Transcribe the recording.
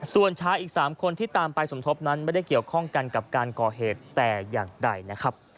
ส่วนชายอีก๓คนที่ตามไปสมทบนั้นไม่ได้เกี่ยวข้องกันกับการก่อเหตุแต่อย่างใดนะครับ